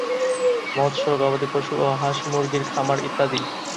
মৎস্য, গবাদিপশু ও হাঁস-মুরগির খামার ইত্যাদি।